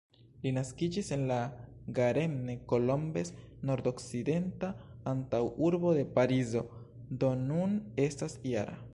Li naskiĝis en La Garenne-Colombes, nordokcidenta antaŭurbo de Parizo, do nun estas -jara.